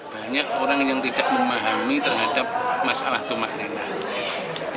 banyak orang yang tidak memahami terhadap masalah tumak ninah